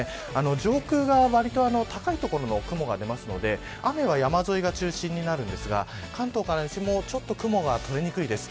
上空が割と高い所の雲が出ますので雨は山沿いが中心になるんですが関東から西も、ちょっと雲が取れにくいです。